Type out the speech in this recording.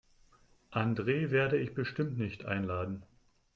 Andre werde ich bestimmt nicht einladen.